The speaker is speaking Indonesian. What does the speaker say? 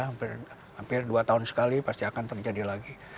hampir dua tahun sekali pasti akan terjadi lagi